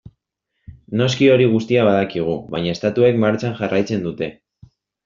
Noski hori guztia badakigu, baina estatuek martxan jarraitzen dute.